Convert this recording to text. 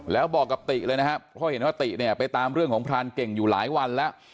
แล้วบอกกับติเลยนะครับเพราะเห็นว่าติเนี่ยไปตามเรื่องของพรานเก่งอยู่หลายวันแล้ว